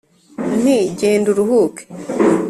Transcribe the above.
nti: “genda uruhuke